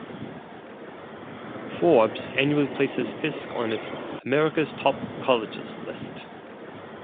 "Forbes" annually places Fisk on its "America's Top Colleges" list.